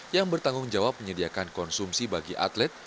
yang bertanggung jawab menyediakan konsumsi bagi atlet